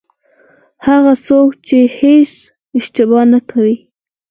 هغه څوک چې هېڅ اشتباه نه کوي.